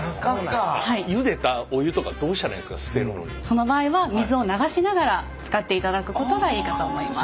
その場合は水を流しながら使っていただくことがいいかと思います。